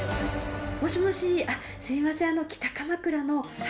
もしもしあっすいません北鎌倉の。